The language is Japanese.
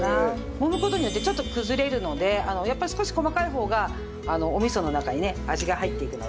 もむ事によってちょっと崩れるのでやっぱり少し細かい方がお味噌の中にね味が入っていくので。